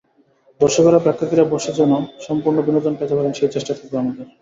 দর্শকেরা প্রেক্ষাগৃহে বসে যেন সম্পূর্ণ বিনোদন পেতে পারেন, সেই চেষ্টাই থাকবে আমাদের।